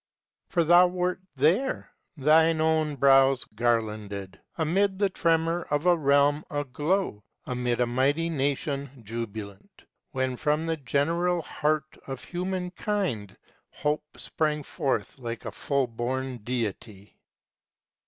For thou wert there, thine own brows garlanded, Amid the tremor of a realm aglow, Amid a mighty nation jubilant, When from the general heart of humankind Hope sprang forth like a full born Deity!